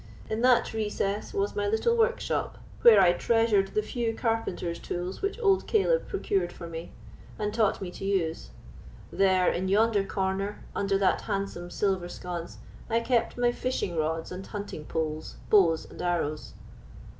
In that recess was my little workshop, where I treasured the few carpenters' tools which old Caleb procured for me, and taught me how to use; there, in yonder corner, under that handsome silver sconce, I kept my fishing rods and hunting poles, bows and arrows."